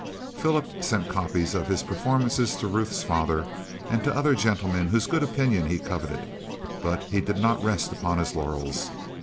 Philip sent copies of his performances to Ruth's father and to other gentlemen whose good opinion he coveted, but he did not rest upon his laurels.